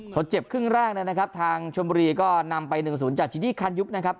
พอเจ็บครึ่งแรกนะครับทางชมบุรีก็นำไป๑๐จากจินี่คันยุคนะครับ